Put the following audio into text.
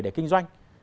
để kinh doanh